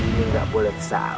ini gak boleh salah